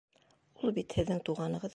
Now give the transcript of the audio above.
Ул бит һеҙҙең туғанығыҙ...